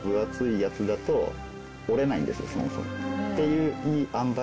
そもそも。